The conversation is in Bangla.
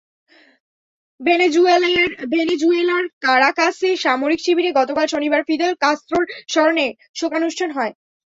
ভেনেজুয়েলার কারাকাসে সামরিক শিবিরে গতকাল শনিবার ফিদেল কাস্ত্রোর স্মরণে শোকানুষ্ঠান হয়।